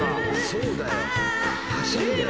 そうだよ。